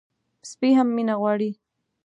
سپي هم مینه غواړي.